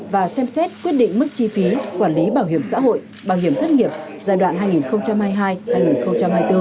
và xem xét quyết định mức chi phí quản lý bảo hiểm xã hội bảo hiểm thất nghiệp giai đoạn hai nghìn hai mươi hai hai nghìn hai mươi bốn